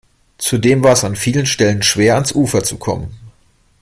Zudem war es an vielen Stellen schwer, ans Ufer zu kommen.